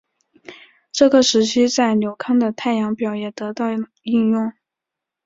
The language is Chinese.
这个日期在纽康的太阳表也得到应用。